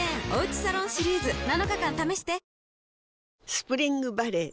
スプリングバレー